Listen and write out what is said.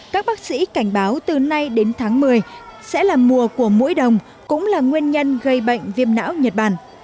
các bác sĩ cảnh báo từ nay đến tháng một mươi sẽ là mùa của mũi đồng cũng là nguyên nhân gây bệnh viêm não nhật bản